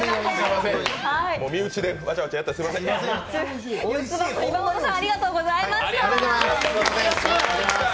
身内でわちゃわちゃやってすみません。